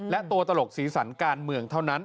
และตัวตลกสีสันการเมืองเท่านั้น